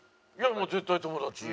いやもう絶対友達。